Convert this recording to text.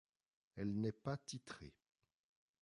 Elle n'est pas titrée.